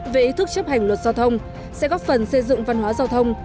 về ý thức chấp hành luật giao thông sẽ góp phần xây dựng văn hóa giao thông